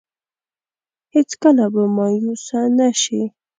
هېڅ کله به مايوسه نه شي.